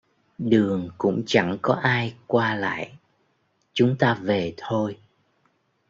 Đường cũng chẳng có ai qua lại, chúng ta về thôi